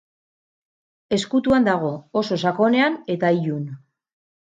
Ezkutuan dago, oso sakonean eta ilun.